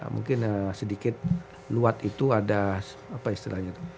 mungkin sedikit luat itu ada apa istilahnya itu